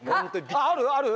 あるある？